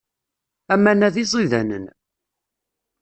Aman-a d iẓidanen.